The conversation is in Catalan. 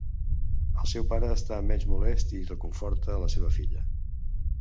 El seu pare està menys molest i reconforta a la seva filla.